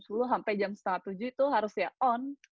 sampai jam setengah tujuh itu harus ya on